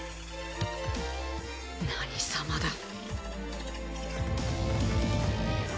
何様だ。